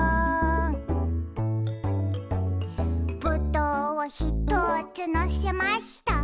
「ぶどうをひとつのせました」